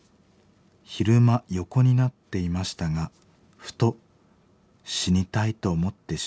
昼間横になっていましたがふと死にたいと思ってしまいました。